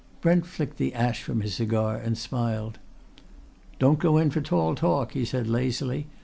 Brent flicked the ash from his cigar and smiled. "Don't go in for tall talk," he said lazily.